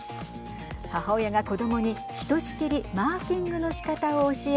母親が子どもにひとしきりマーキングのしかたを教え